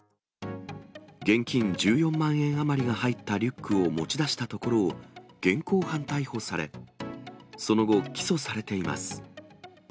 現金１４万円余りが入ったリュックを持ちだしたところを、現行犯逮捕され、その後、起訴されています。